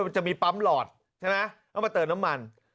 มันจะมีปั๊มหลอดใช่ไหมแล้วมาเติมน้ำมัน